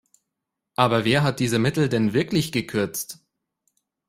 Aber wer hat diese Mittel denn wirklich gekürzt?